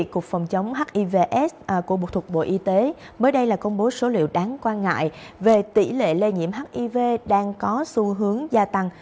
cục phòng chống hivs của bộ thuộc bộ y tế mới đây là công bố số liệu đáng quan ngại về tỷ lệ lây nhiễm hiv đang có xu hướng gia tăng